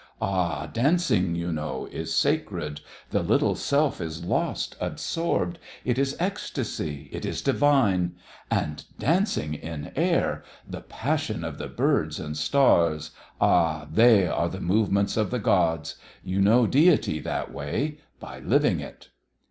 Ah, dancing, you know, is sacred. The little self is lost, absorbed. It is ecstasy, it is divine. And dancing in air the passion of the birds and stars ah! they are the movements of the gods. You know deity that way by living it."